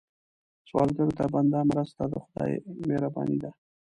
سوالګر ته بنده مرسته، د خدای مهرباني ده